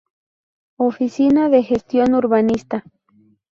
Oficina de gestión urbanística.